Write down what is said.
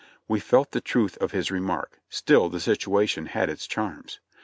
We felt the truth of his remark, still the situation had its charms.